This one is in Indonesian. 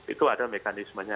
itu ada mekanismenya